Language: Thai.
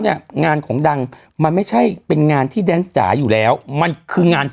เนี้ยงานของดังมันไม่ใช่เป็นงานที่อยู่แล้วมันคืองาน